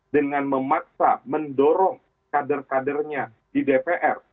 dengan memaksa mendorong kader kadernya di dpr